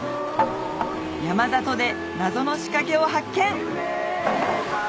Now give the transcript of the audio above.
山里で謎の仕掛けを発見！